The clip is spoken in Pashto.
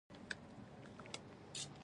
ژبه د رنګونو غږ ده